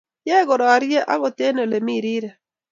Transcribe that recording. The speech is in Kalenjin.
Yaei kororie akot eng Ole mi rirek